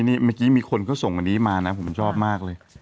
เมื่อกี้มีคนเขาส่งอันนี้มานะผมชอบมากเลย